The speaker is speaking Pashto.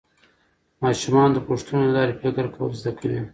ماشومان د پوښتنو له لارې فکر کول زده کوي